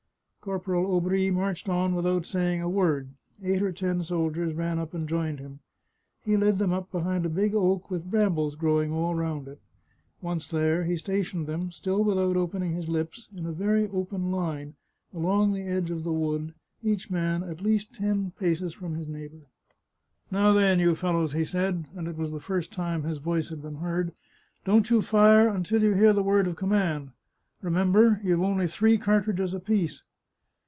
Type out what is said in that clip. Corporal Aubry marched on without saying a word; eight or ten soldiers ran up and joined him. He led them up behind a big oak with brambles growing all round it. Once there, he stationed them, still without opening his lips, in a very open line, along the edge of the wood, each man at least ten paces from his neighbour. " Now, then, you fellows," he said, and it was the first time his voice had been heard, " don't you fire until you hear the word of command. Remember, you've only three cartridges apiece."